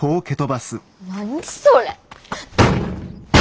何それ。